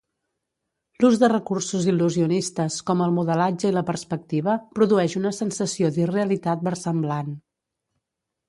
L'ús de recursos il·lusionistes, com el modelatge i la perspectiva, produeix una sensació d'irrealitat versemblant.